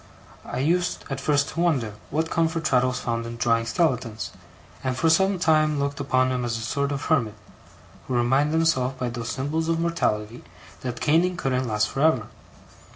I used at first to wonder what comfort Traddles found in drawing skeletons; and for some time looked upon him as a sort of hermit, who reminded himself by those symbols of mortality that caning couldn't last for ever.